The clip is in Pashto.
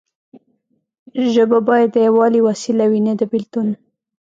ژبه باید د یووالي وسیله وي نه د بیلتون.